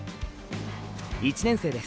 １年生です。